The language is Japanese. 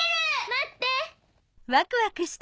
待って！